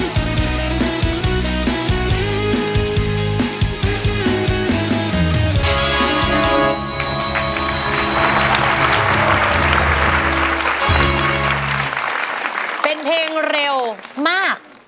เป็นเพลงเร็วมาก